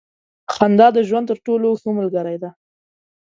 • خندا د ژوند تر ټولو ښه ملګری دی.